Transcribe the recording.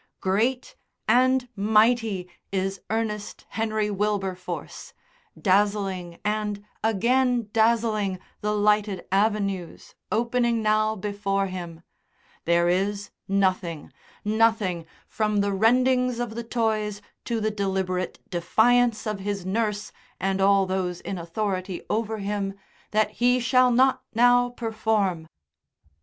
Great and mighty is Ernest Henry Wilberforce, dazzling and again dazzling the lighted avenues opening now before him; there is nothing, nothing, from the rendings of the toys to the deliberate defiance of his nurse and all those in authority over him, that he shall not now perform....